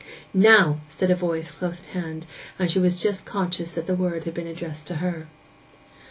'Now!' said a voice close at hand, and she was just conscious that the word had been addressed to her.